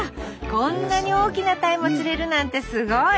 こんなに大きなタイも釣れるなんてすごい！